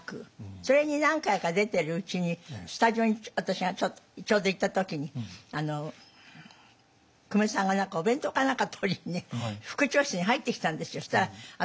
それに何回か出ているうちにスタジオに私がちょうど行った時に久米さんがお弁当か何か取りに副調整室に入ってきたんですよ。